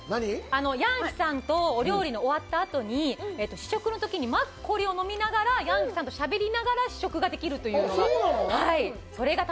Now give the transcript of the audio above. ヤンヒィさんとお料理の終わったあとに試食の時にマッコリを飲みながらヤンヒィさんとしゃべりながら試食ができるというのがそれが楽しいんです